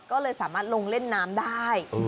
ก็เลยสามารถลงเล่นน้ำได้